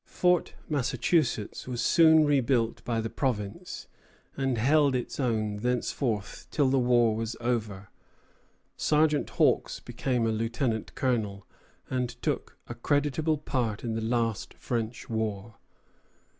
Fort Massachusetts was soon rebuilt by the province, and held its own thenceforth till the war was over. Sergeant Hawks became a lieutenant colonel, and took a creditable part in the last French war.